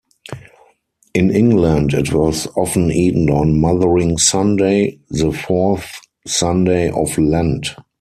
In England it was often eaten on Mothering Sunday, the fourth Sunday of Lent.